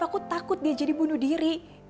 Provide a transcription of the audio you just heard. aku takut dia jadi bunuh diri